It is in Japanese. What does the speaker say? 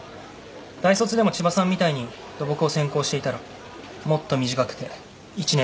大卒でも千葉さんみたいに土木を専攻していたらもっと短くて１年でいいし。